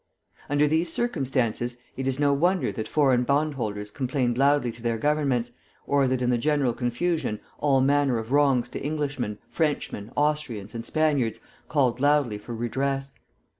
Under these circumstances it is no wonder that foreign bondholders complained loudly to their Governments, or that in the general confusion all manner of wrongs to Englishmen, Frenchmen, Austrians, and Spaniards called loudly for redress.